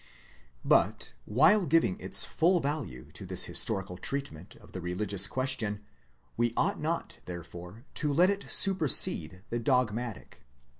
But while giving its full value to this historical treatment of the religious question, we ought not therefore to let it supersede the dogmatic.